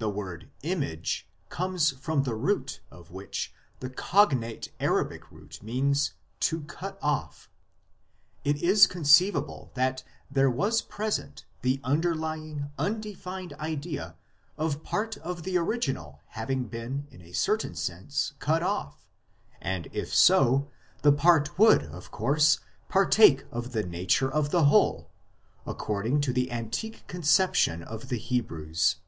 This word "image" comes from the root (C&) of which the cognate Arabic root means " to cut off "; it is con ceivable that there was present the underlying, undefined idea of part of the original having been in a certain sense cut off 2 ; and if so, the part would, of course, partake of the nature of the whole, according to the antique concep tion of the Hebrews.